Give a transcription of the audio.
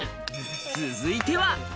続いては。